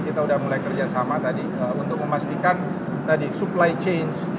kita sudah mulai kerja sama tadi untuk memastikan supply chain